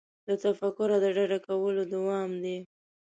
له تفکره د ډډه کولو دوام دی.